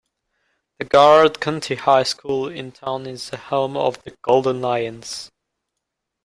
The Garrard County High School in town is the home of the "Golden Lions".